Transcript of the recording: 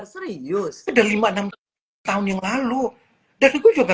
sekitar enam tahun yang lalu itu